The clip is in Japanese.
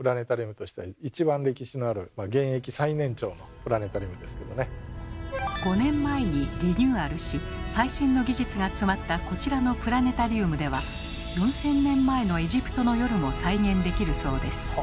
一番歴史のある現役最年長の最新の技術が詰まったこちらのプラネタリウムでは４，０００年前のエジプトの夜も再現できるそうです。